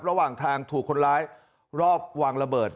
ระหว่างทางถูกคนร้ายรอบวางระเบิด